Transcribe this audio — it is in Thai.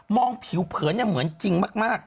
มองผิวเผือนเนี่ยเหมือนจริงมาก